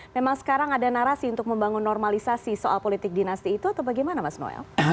memang sekarang ada narasi untuk membangun normalisasi soal politik dinasti itu atau bagaimana mas noel